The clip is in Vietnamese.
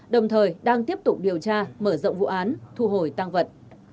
đồng thời đang tiếp tục điều tra mở rộng vụ án thu hồi tăng vật